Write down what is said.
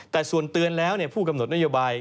แต่ส่วนเตือนแล้วผู้กำหนดนโยบาย